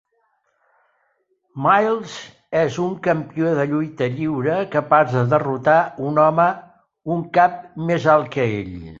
Myles és un campió de lluita lliure, capaç de derrotar un home un cap més alt que ell.